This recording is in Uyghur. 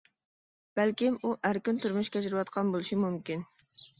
بەلكىم ئۇ ئەركىن تۇرمۇش كەچۈرۈۋاتقان بولۇشى مۇمكىن.